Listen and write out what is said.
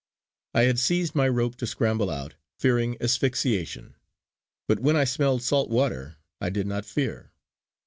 I had seized my rope to scramble out, fearing asphyxiation; but when I smelled salt water I did not fear.